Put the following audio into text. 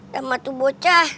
sama tu bocah